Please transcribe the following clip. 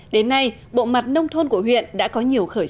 đến nay bộ mặt nông thôn của huyện đã có nhiều khởi sắc